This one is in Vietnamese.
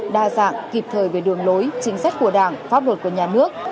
đa dạng kịp thời về đường lối chính sách của đảng pháp luật của nhà nước